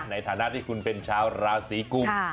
ในฐานะที่คุณเป็นชาวราศีกุม